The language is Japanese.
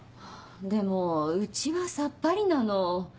でもうちはさっぱりなの。